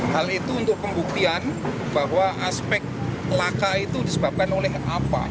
hal itu untuk pembuktian bahwa aspek laka itu disebabkan oleh apa